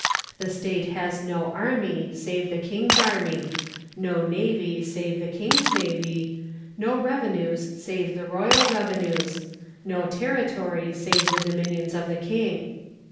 The state has no army save the King's army, no navy save the King's navy, no revenues save the royal revenues, no territory save the dominions of the King.